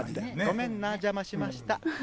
ごめんな、邪魔しました。